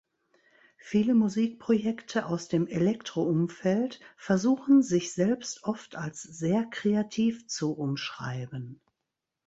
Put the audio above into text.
Viele Musikprojekte aus dem Electro-Umfeld versuchen, sich selbst oft als sehr kreativ zu umschreiben.